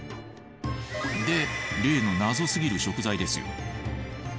で例のナゾすぎる食材ですよ。